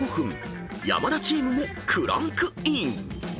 ［山田チームもクランクイン］